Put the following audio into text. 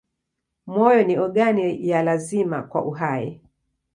Moyo ni ogani ya lazima kwa uhai.